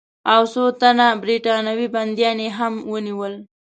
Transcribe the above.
او څو تنه برټانوي بندیان یې هم ونیول.